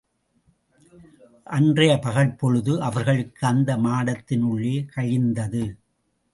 அன்றைய பகல்பொழுது அவர்களுக்கு அந்த மாடத்தினுள்ளே கழிந்தது.